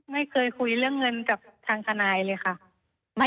ไม่เคยคุยเรื่องเงินกับทางทนายเลยค่ะ